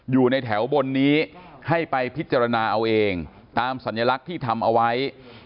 อยู่ในแถวบนนี้ให้ไปพิจารณาเอาเองตามสัญลักษณ์ที่ทำเอาไว้